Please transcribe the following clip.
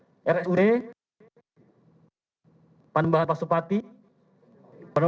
dan yang ketiga rumah sakit yang ada di wilayah bantul